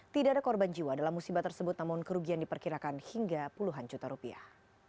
tidak ada korban jiwa dalam musibah tersebut namun kerugian diperkirakan hingga puluhan juta rupiah